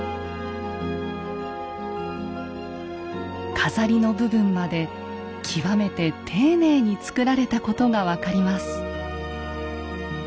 飾りの部分まで極めて丁寧に作られたことが分かります。